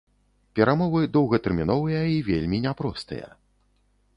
Перамовы доўгатэрміновыя і вельмі няпростыя.